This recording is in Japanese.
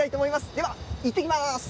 では、いってきます。